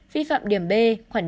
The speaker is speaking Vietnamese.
vi phạm điểm b khoảng năm